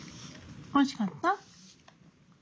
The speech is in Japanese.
おいしかった？